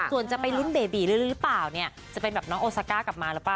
ส่วนจะไปลุ้นเบบีหรือเปล่าเนี่ยจะเป็นแบบน้องโอซาก้ากลับมาหรือเปล่า